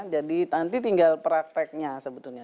jadi nanti tinggal prakteknya sebetulnya